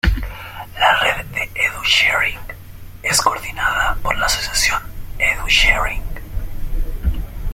La red de edu-sharing es coordinada por la asociación edu-sharing.